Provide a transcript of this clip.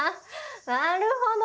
なるほど！